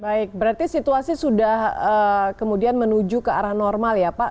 baik berarti situasi sudah kemudian menuju ke arah normal ya pak